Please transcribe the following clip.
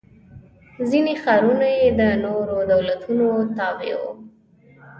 ځیني ښارونه یې د نورو دولتونو تابع و.